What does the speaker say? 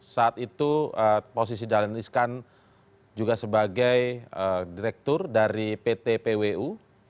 saat itu posisi dahlan iskan juga sebagai direktur dari pt pwu